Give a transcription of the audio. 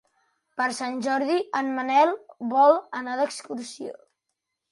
Per Sant Jordi en Manel vol anar d'excursió.